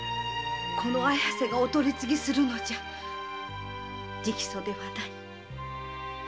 この綾瀬がお取り次ぎするのじゃ直訴ではない。